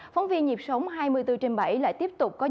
phóng viên nhịp sống hai mươi bốn trên bảy lại tiếp tục có nhận ra